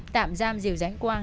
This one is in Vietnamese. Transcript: tạm giam diều giãnh quang